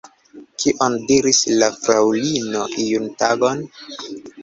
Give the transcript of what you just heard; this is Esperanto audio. Kion diris la fraŭlino iun tagon?